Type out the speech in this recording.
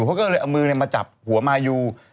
เขาก็เลยเอามือมาจับหัวมายู